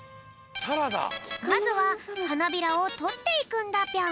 まずははなびらをとっていくんだぴょん。